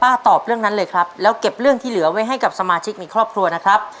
ตอบเรื่องนั้นเลยครับแล้วเก็บเรื่องที่เหลือไว้ให้กับสมาชิกในครอบครัวนะครับ